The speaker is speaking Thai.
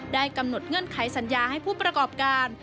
กำหนดเงื่อนไขสัญญาให้ผู้ประกอบการ